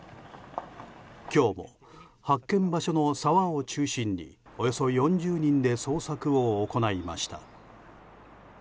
今日も発見場所の沢を中心におよそ４０人で捜索を行いました。